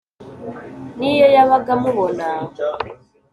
n’iyo yabaga amubona